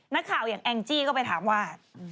นักข่าวอย่างแองจี้ก็ไปถามว่า